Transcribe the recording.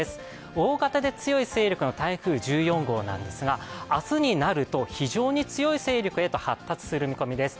大型で強い勢力の台風１４号なんですが、明日になると非常に強い勢力へと発達する見込みです。